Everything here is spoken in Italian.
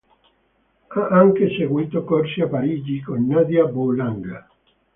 Ha anche seguito corsi a Parigi con Nadia Boulanger.